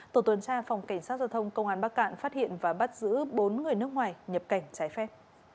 tổ tuần tra phòng cảnh sát giao thông công an bắc cạn phát hiện và bắt giữ bốn người nước ngoài nhập cảnh trái phép